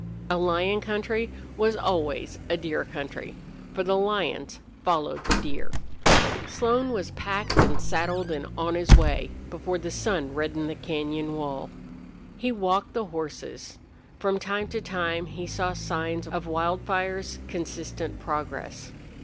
A lion country was always a deer country, for the lions followed the deer. Slone was packed and saddled and on his way before the sun reddened the cañon wall. He walked the horses. From time to time he saw signs of Wildfire's consistent progress.